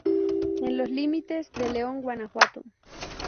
En los límites de León, Gto.